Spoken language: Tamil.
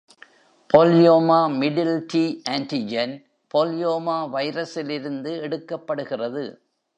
polyoma middle T-antigen, polyoma வைரசில் இருந்து எடுக்கப்படுகிறது.